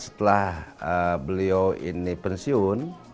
setelah beliau ini pensiun